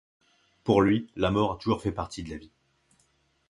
Pour lui, la mort a toujours fait partie de la Vie.